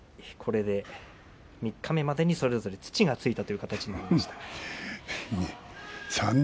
これで三日目までにそれぞれ土がついたことになります。